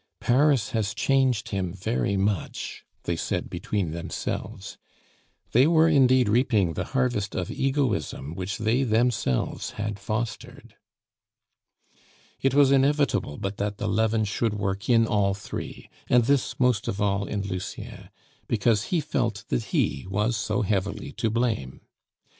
"Paris has changed him very much," they said between themselves. They were indeed reaping the harvest of egoism which they themselves had fostered. It was inevitable but that the leaven should work in all three; and this most of all in Lucien, because he felt that he was so heavily to blame.